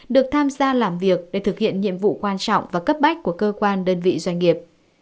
được tham gia làm việc để thực hiện nhiệm vụ quan trọng và cấp bách của cơ quan đơn vị doanh nghiệp